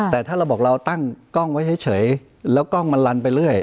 แต่ถ้าเราบอกเราตั้งกล้องไว้เฉยแล้วกล้องมันลันไปเรื่อย